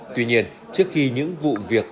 tuy nhiên trước khi những vụ việc